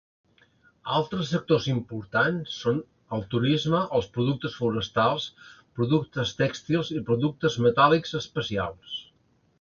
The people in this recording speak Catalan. Altres sectors importants són el turisme, els productes forestals, productes tèxtils i productes metàl·lics especials.